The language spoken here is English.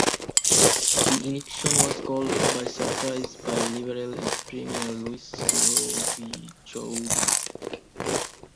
The election was called by surprise by Liberal Premier Louis Robichaud.